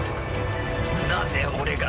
なぜ俺が。